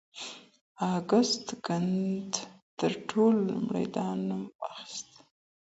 اګوست کنت تر ټولو لومړی دا نوم واخيست.